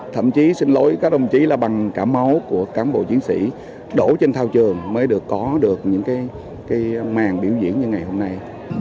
thậm chí xin lỗi các đồng chí là bằng cả máu của cán bộ chiến sĩ đổ trên thao trường mới được có được những cái màn biểu diễn như ngày hôm nay